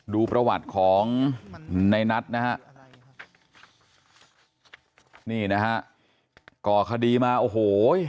ดูประวัติของในนัทนะฮะนี่นะฮะก่อคดีมาโอ้โห